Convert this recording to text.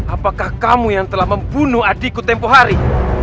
apakah kamu yang telah membunuh adikku tempoh hari